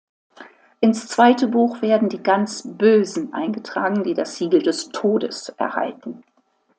Ins zweite Buch werden die ganz „Bösen“ eingetragen, die das „Siegel des Todes“ erhalten.